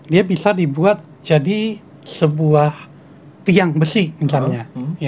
dia bisa dibuat jadi sebuah tiang besi misalnya